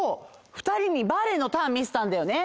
二人にバレエのターン見せたんだよね。